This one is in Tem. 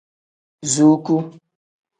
Zuuku.